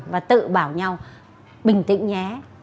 và tự bảo nhau bình tĩnh nhé